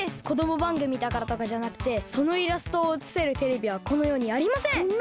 こどもばんぐみだからとかじゃなくてそのイラストをうつせるテレビはこのよにありません！